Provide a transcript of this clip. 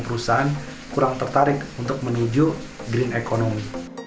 perusahaan kurang tertarik untuk menuju green economy